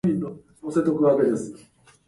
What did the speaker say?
ヴェステルボッテン県の県都はウメオである